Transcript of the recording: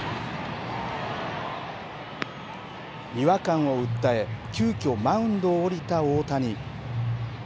違和感を訴え急きょマウンドを降りた大谷。